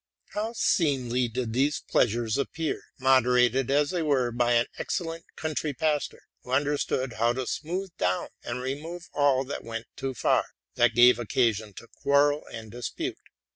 How seemly did these pleasures appear, moderated as they were by an excellent country pas tor, who understood how to smooth down and remoye all that went too far, —that gave occasion to quarrel and dis pute.